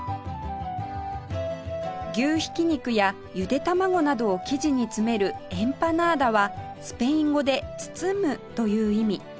牛ひき肉やゆで卵などを生地に詰めるエンパナーダはスペイン語で「包む」という意味